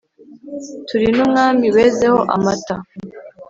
turi n' umwami wezeho amata !